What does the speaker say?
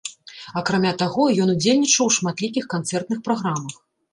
Акрамя таго, ён удзельнічаў у шматлікіх канцэртных праграмах.